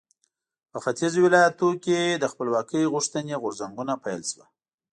په ختیځو ولایاتو کې د خپلواکۍ غوښتنې غورځنګونو پیل شو.